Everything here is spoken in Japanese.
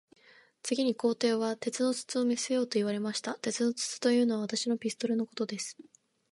次に皇帝は、鉄の筒を見せよと言われました。鉄の筒というのは、私のピストルのことです。